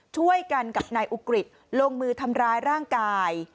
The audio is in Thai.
ช่วยกันกับนายอุกฤษลงมือทำร้ายร่างกาย